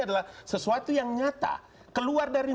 adalah sesuatu yang nyata keluar dari